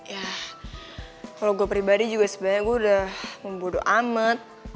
yah kalo gue pribadi juga sebenernya gue udah membodo amat